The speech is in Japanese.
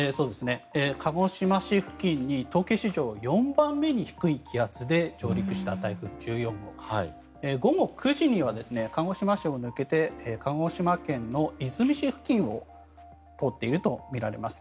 鹿児島市付近に統計史上４番目に低い気圧で上陸した台風１４号午後９時には鹿児島市を抜けて鹿児島県出水市付近を通っているとみられます。